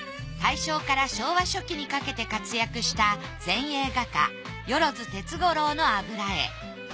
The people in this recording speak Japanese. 大正から昭和初期にかけて活躍した前衛画家萬鉄五郎の油絵。